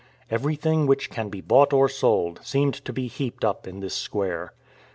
Everything which can be bought or sold seemed to be heaped up in this square.